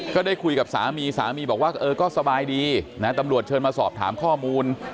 ก็ได้คุยกับสามีสามีบอกว่าเออก็สบายดีนะตำรวจเชิญมาสอบถามข้อมูล